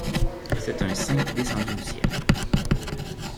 C'est un saint descendu du ciel.